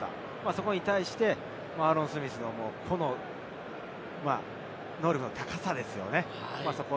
それに対してアーロン・スミスの個の能力の高さですよね。